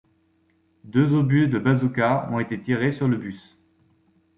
Deux obus de bazooka ont été tirés sur le bus.